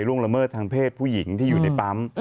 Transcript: ละเมิดทางเพศผู้หญิงที่อยู่ในปั๊ม